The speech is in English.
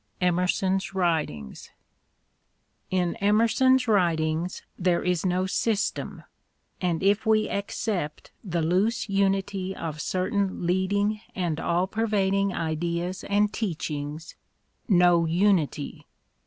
EMERSON'S WRITINGS IN Emerson's writings there is no system, and if we except the loose unity of certain leading and all pervading ideas and teach ings, no unity.